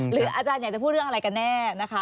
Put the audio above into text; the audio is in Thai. อาจารย์อยากจะพูดเรื่องอะไรกันแน่นะคะ